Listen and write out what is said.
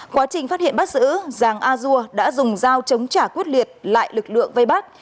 quá trình phát hiện bắt giữ giàng a dua đã dùng dao chống trả quyết liệt lại lực lượng vây bắt